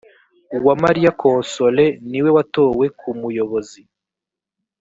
uwamariya cosole niwe watowe nkumuyobozi.